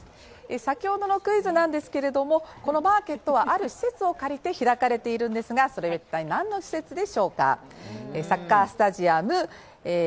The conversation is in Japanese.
先ほどのクイズなんですけれどもこのマーケットはある施設を借りて開かれているんですが、それは一体何の施設でしょうか？